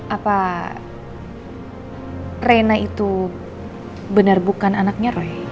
apa reina itu benar bukan anaknya roy